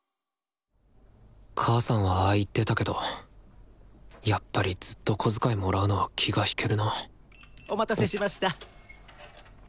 母さんはああ言ってたけどやっぱりずっと小遣いもらうのは気が引けるなお待たせしました。